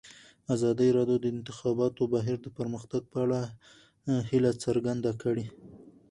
ازادي راډیو د د انتخاباتو بهیر د پرمختګ په اړه هیله څرګنده کړې.